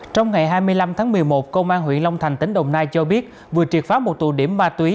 trong ngày hai mươi năm tháng một mươi một công an huyện long thành tỉnh đồng nai cho biết vừa triệt phá một tụ điểm ma túy